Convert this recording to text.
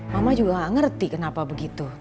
mama juga gak ngerti kenapa begitu